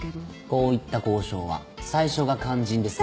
こういった交渉は最初が肝心ですので。